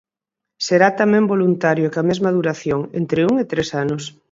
Será tamén voluntario e coa mesma duración, entre un e tres anos.